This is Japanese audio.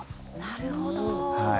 なるほど。